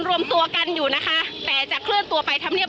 รวมตัวกันอยู่นะคะแต่จะเคลื่อนตัวไปทำเนียบ